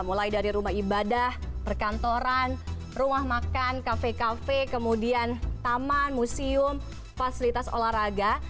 mulai dari rumah ibadah perkantoran rumah makan kafe kafe kemudian taman museum fasilitas olahraga